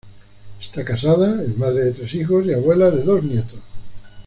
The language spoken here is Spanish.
Está casada, es madre de tres hijos y abuela de dos nietos.